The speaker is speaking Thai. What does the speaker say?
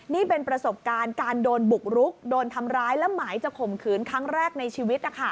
นี่เป็นประสบการณ์การโดนบุกรุกโดนทำร้ายและหมายจะข่มขืนครั้งแรกในชีวิต